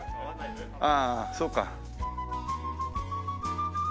ああそうか。